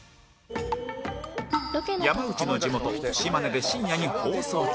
山内の地元島根で深夜に放送中